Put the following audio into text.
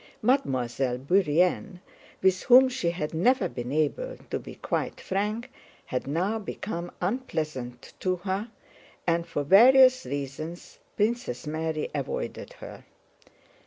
Mademoiselle Bourienne, with whom she had never been able to be quite frank, had now become unpleasant to her, and for various reasons Princess Mary avoided her.